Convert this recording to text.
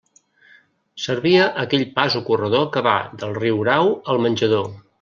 Servia aquell pas o corredor que va del riurau al menjador.